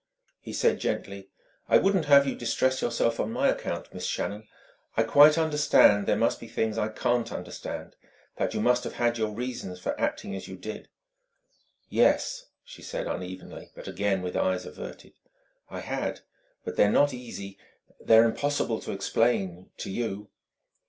He said, gently: "I wouldn't have you distress yourself on my account, Miss Shannon... I quite understand there must be things I can't understand that you must have had your reasons for acting as you did." "Yes," she said unevenly, but again with eyes averted "I had; but they're not easy, they're impossible to explain to you."